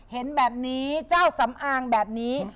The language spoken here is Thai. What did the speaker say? เห็นแบบนี้เจ้าสำอางแบบนี้